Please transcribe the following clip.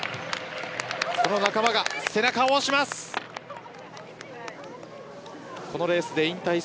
仲間が背中を押します。